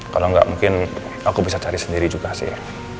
kalau nggak mungkin aku bisa cari sendiri juga sih